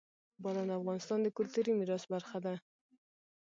باران د افغانستان د کلتوري میراث برخه ده.